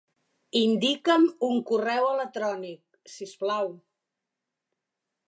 Indica'm un correu electrònic, si us plau.